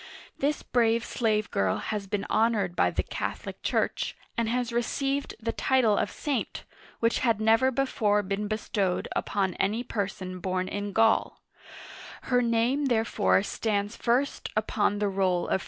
This brave slave girl has been honored by the Catholic Church, and has received the title of saint, which had never before been bestowed upon any person born in GauL Her name therefore stands first upon the roll of.